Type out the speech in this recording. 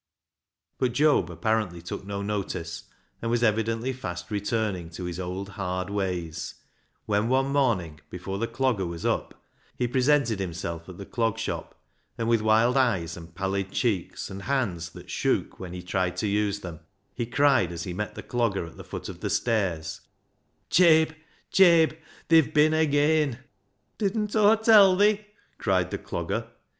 But Job apparently took no notice, and was evidently fast returning to his old hard ways, when one morning, before the Clogger was up, he presented himself at the Clog Shop, and with wild eyes and pallid cheeks, and hands that shook when he tried to use them, he cried as he met the Clogger at the foot of the stairs —" Jabe, Jabe, they've bin ageean !" "Didn't Aw tell thi !" cried the Clogger.